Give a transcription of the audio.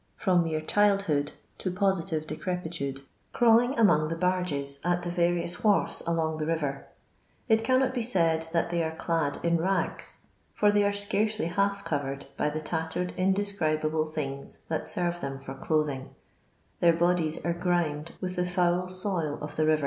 from mere childhood to positive decrepitude, crawling among the barges at the ^'arious wharfs alonig.thf river ; it ainnot be said that they are clad in ngs, for they, are scan^ely half covered by the ; tattered indescribable things that serve them for j clothing; their bodies ^re grimed with the foul I Mil of the ri.